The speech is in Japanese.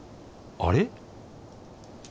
あれ？